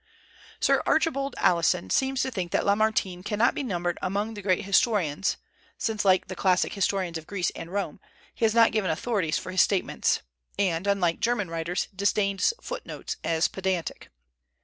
Sir Archibald Alison seems to think that Lamartine cannot be numbered among the great historians, since, like the classic historians of Greece and Rome, he has not given authorities for his statements, and, unlike German writers, disdains foot notes as pedantic.